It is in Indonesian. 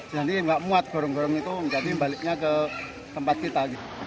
jadi nggak muat gurung gurung itu jadi baliknya ke tempat kita